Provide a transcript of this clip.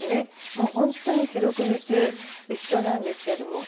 もう本当に四六時中一緒なんですけれども。